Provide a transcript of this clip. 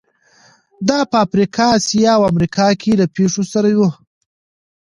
دا په افریقا، اسیا او امریکا کې له پېښو سره وو.